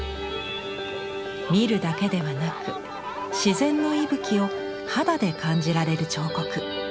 見るだけではなく自然の息吹を肌で感じられる彫刻。